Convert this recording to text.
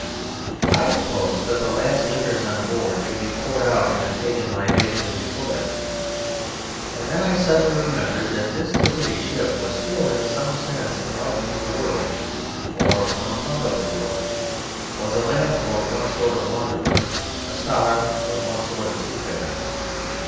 I proposed that the last liquors on board should be poured out in a pagan libation before it. And then I suddenly remembered that this Liberty was still in some sense enlightening the world, or one part of the world; was a lamp for one sort of wanderer, a star of one sort of seafarer.